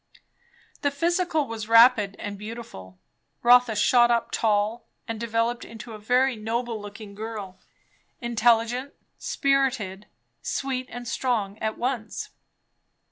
The physical was rapid and beautiful. Rotha shot up tall, and developed into a very noble looking girl; intelligent, spirited, sweet and strong at once.